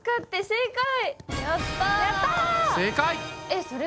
正解！